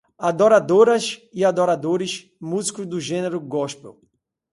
Adoradoras e adoradores, músicos do gênero gospel